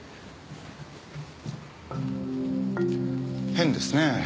変ですねえ。